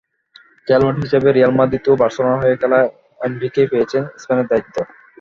খেলোয়াড় হিসেবে Real Madrid ও বার্সেলোনার হয়ে খেলা এনরিকেই পেয়েছেন স্পেনের দায়িত্ব।